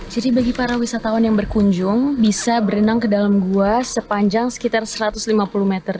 jadi bagi para wisatawan yang berkunjung bisa berenang ke dalam goa sepanjang sekitar satu ratus lima puluh meter